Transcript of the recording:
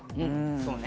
そうね。